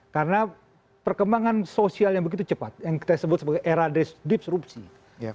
karena perkembangan sosial yang begitu cepat yang kita sebut sebagai era de disruption